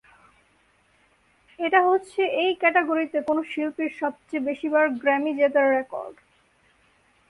এটা হচ্ছে এই ক্যাটাগরিতে কোনো শিল্পীর সবচেয়ে বেশিবার গ্র্যামি জেতার রেকর্ড।